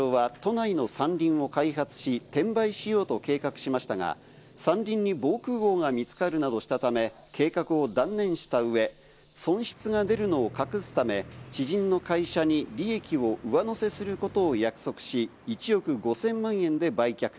河合前社長は都内の山林を開発し、転売しようと計画しましたが、山林に防空壕が見つかるなどしたため、計画を断念した上、損失が出るのを隠すため、知人の会社に利益を上乗せすることを約束し、１億５０００万円で売却。